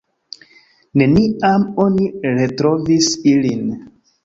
Neniam oni retrovis ilin.